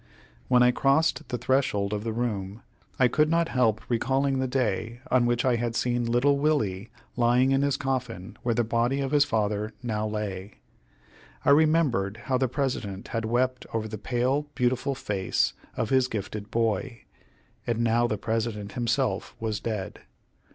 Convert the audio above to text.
When I crossed the threshold of the room, I could not help recalling the day on which I had seen little Willie lying in his coffin where the body of his father now lay. I remembered how the President had wept over the pale beautiful face of his gifted boy, and now the President himself was dead.